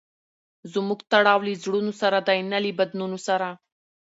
زموږ تړاو له زړونو سره دئ؛ نه له بدنونو سره.